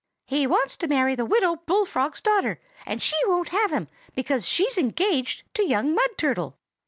"He wants to marry the Widow Bullfrog's daughter, and she won't have him, because she's engaged to young Mud Turtle.